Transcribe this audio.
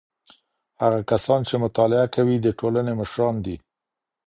هغه کسان چي مطالعه کوي د ټولني مشران دي.